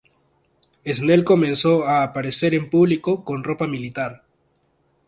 Snell comenzó a aparecer en público con ropa militar.